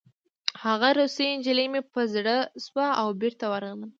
هغه روسۍ نجلۍ مې په زړه شوه او بېرته ورغلم